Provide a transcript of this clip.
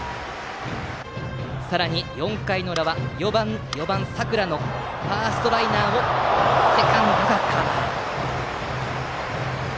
さらに、４回の裏は４番の佐倉のファーストライナーをセカンドがカバー。